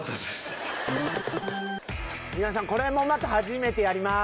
皆さんこれもまた初めてやります。